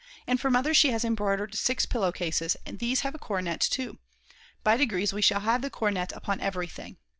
And for Mother she has embroidered six pillow cases, these have a coronet too; by degrees we shall have the coronet upon everything.